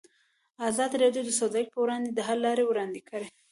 ازادي راډیو د سوداګري پر وړاندې د حل لارې وړاندې کړي.